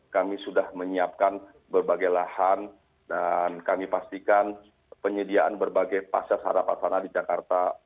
kami sudah menyiapkan berbagai lahan dan kami pastikan penyediaan berbagai pasca sarapan tanah di jakarta